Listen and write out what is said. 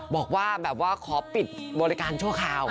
บอกว่าแบบว่าขอปิดบริการชั่วคราว